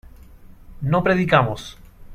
no predicamos